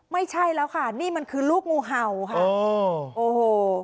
ไม่ใช่แล้วค่ะนี่มันคือลูกงูเห่าค่ะโอ้โห